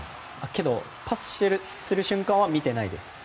けど、パスする瞬間は見てないです。